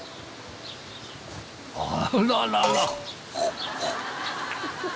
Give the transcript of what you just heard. あららら。